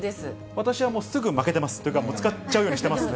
私はもうすぐ負けてます、というか、使っちゃうようにしてますね。